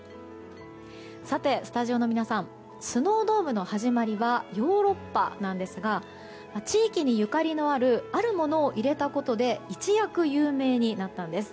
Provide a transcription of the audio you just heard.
さて、スタジオの皆さんスノードームの始まりはヨーロッパなんですが地域にゆかりのあるあるものを入れたことで一躍有名になったんです。